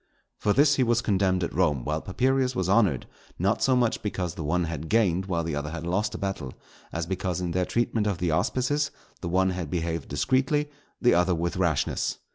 For this he was condemned at Rome, while Papirius was honoured; not so much because the one had gained while the other had lost a battle, as because in their treatment of the auspices the one had behaved discreetly, the other with rashness.